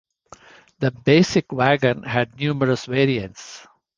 The basic wagon had numerous variants.